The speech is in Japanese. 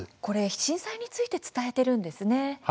震災について伝えているんですね。